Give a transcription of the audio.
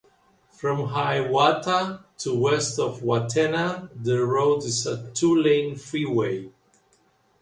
From Hiawatha to west of Wathena, the road is a two-lane freeway.